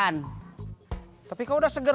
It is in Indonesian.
nyak bisa sehat